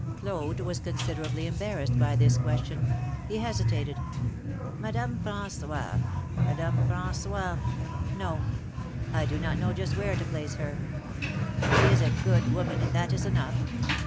Claude was considerably embarrassed by this question. Tie hesitated. '^Madame Fran§ois — Madame Fran5ois — No; I do not know just where to place her. She is a good w'oman, and that is enough."